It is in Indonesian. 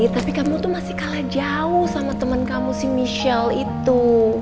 tapi kamu tuh masih kalah jauh sama temen kamu si michelle itu